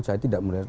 saya tidak melihat